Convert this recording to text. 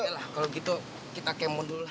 yalah kalau gitu kita kemo dulu lah